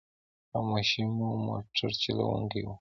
خاموش مو موټر چلوونکی و.